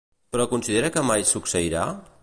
Però considera que mai succeirà?